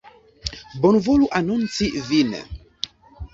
Bonvolu anonci vin.